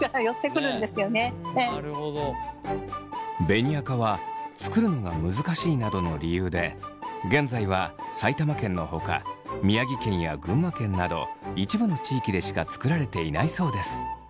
紅赤は作るのが難しいなどの理由で現在は埼玉県のほか宮城県や群馬県など一部の地域でしか作られていないそうです。